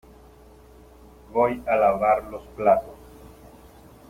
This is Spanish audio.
Voy a lavar los platos.